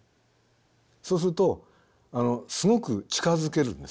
そうするとすごく近づけるんです